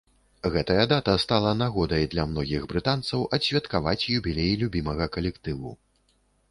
Гэтая дата стала нагодай для многіх брытанцаў адсвяткаваць юбілей любімага калектыву.